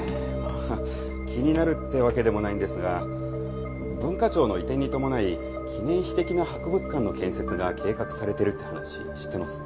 気になるってわけでもないんですが文化庁の移転に伴い記念碑的な博物館の建設が計画されてるって話知ってます？